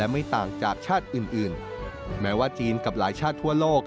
ไม่ต่างจากชาติอื่นแม้ว่าจีนกับหลายชาติทั่วโลก